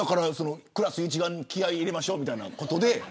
クラス一丸で気合を入れましょうということで。